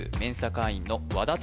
会員の和田拓